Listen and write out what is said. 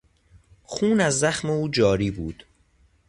خون از زخم او جاری بود.